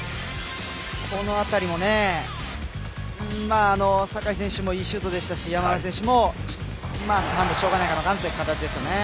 この辺りも酒井選手もいいシュートでしたし山村選手もしょうがないかなという形ですね。